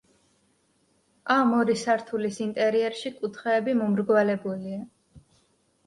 ამ ორი სართულის ინტერიერში კუთხეები მომრგვალებულია.